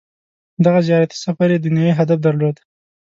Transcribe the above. • دغه زیارتي سفر یې دنیايي هدف درلود.